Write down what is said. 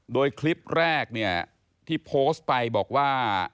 โดยคลิปแรกเนี่ยที่โพสต์ไปบอกว่า